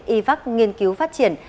yvac nghiên cứu phát triển